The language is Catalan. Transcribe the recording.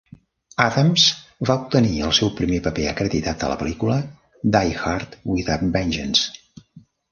Adams va obtenir el seu primer paper acreditat a la pel·lícula "Die Hard with a Vengeance".